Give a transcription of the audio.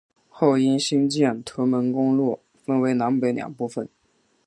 后因兴建屯门公路分为南北两部份。